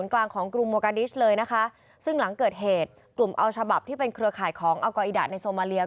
กลุ่มอัลชาบับที่เป็นเครือข่ายของอัลกอีดาในโซมาเรีย